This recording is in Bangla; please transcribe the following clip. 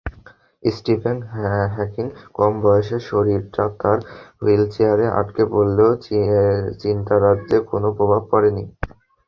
স্টিফেন হকিংকম বয়সে শরীরটা তাঁর হুইলচেয়ারে আটকা পড়লেও চিন্তারাজ্যে কোনো প্রভাব পড়েনি।